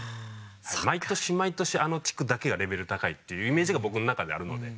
毎年毎年あの地区だけがレベル高いっていうイメージが僕の中であるので。